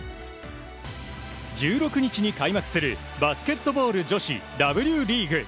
１６日に開幕するバスケットボール女子Ｗリーグ。